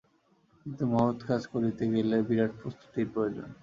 কিন্তু মহৎ কাজ করিতে গেলে বিরাট প্রস্তুতির প্রয়োজন।